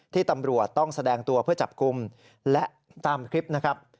ที่ตำรวจต้องแสดงตัวเพื่อจับกลุ่มและตามคลิปนะครับ